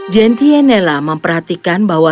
gentienela memperhatikan bahwa